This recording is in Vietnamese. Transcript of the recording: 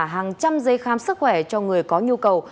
hàng trăm giấy khám sức khỏe cho người có nhu cầu